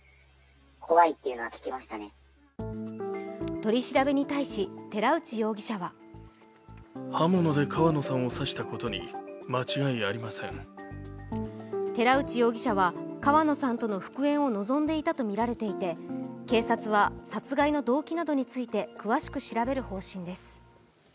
取り調べに対し寺内容疑者は寺内容疑者は、川野さんとの復縁を望んでいたとみられていて警察は殺害の動機などについて詳しく調べる方針です。